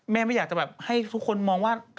ไม่อยากจะแบบให้ทุกคนมองว่า